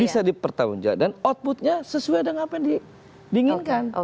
bisa dipertanggungjawab dan outputnya sesuai dengan apa yang diinginkan